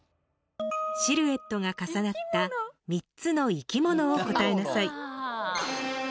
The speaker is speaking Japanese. シルエットが重なった３つの生き物を答えなさい。